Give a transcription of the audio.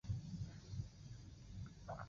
糠醛的物性已在右表中列出。